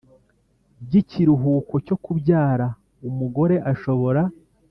By ikiruhuko cyo kubyara umugore ashobora